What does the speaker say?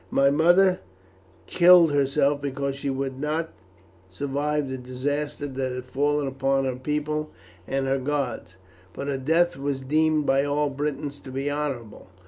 "My mother killed herself because she would not survive the disaster that had fallen upon her people and her gods; but her death was deemed by all Britons to be honourable.